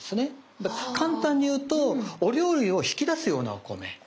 簡単に言うとお料理を引き出すようなお米。